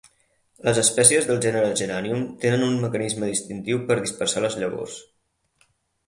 Les espècies del gènere Geranium tenen un mecanisme distintiu per dispersar les llavors.